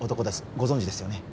ご存じですよね